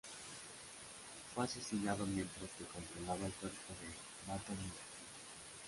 Fue asesinado mientras que controlaba el cuerpo de Mata Nui.